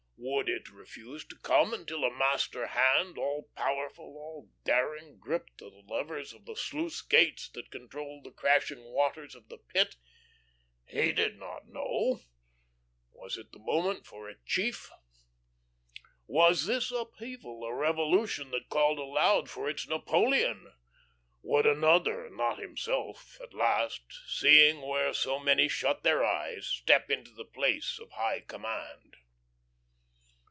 Would it refuse to come until a master hand, all powerful, all daring, gripped the levers of the sluice gates that controlled the crashing waters of the Pit? He did not know. Was it the moment for a chief? Was this upheaval a revolution that called aloud for its Napoleon? Would another, not himself, at last, seeing where so many shut their eyes, step into the place of high command?